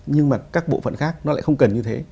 nhưng mà các bộ phận khác nó lại không cần như thế